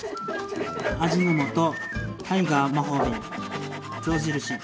味の素タイガー魔法瓶象印